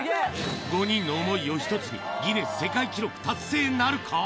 ５人の想いを１つに、ギネス世界記録達成なるか？